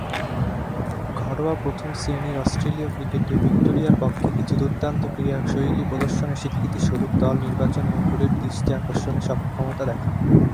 ঘরোয়া প্রথম-শ্রেণীর অস্ট্রেলীয় ক্রিকেটে ভিক্টোরিয়ার পক্ষে কিছু দূর্দান্ত ক্রীড়াশৈলী প্রদর্শনের স্বীকৃতিস্বরূপ দল নির্বাচকমণ্ডলীর দৃষ্টি আকর্ষণে সক্ষমতা দেখান।